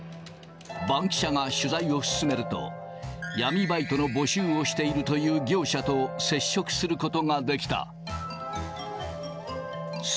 バンキシャが取材を進めると、闇バイトの募集をしているという業者と接触することができた。